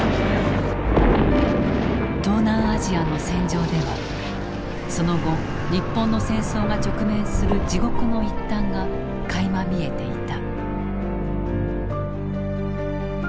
東南アジアの戦場ではその後日本の戦争が直面する地獄の一端がかいま見えていた。